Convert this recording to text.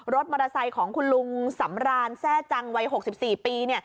รถมอเตอร์ไซค์ของคุณลุงสำรานแทร่จังวัย๖๔ปี